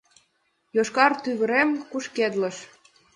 Йошкар тувырем кушкедлыш